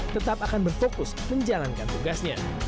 tetap akan berfokus menjalankan tugasnya